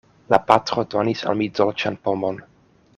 La patro donis al mi dolĉan pomon.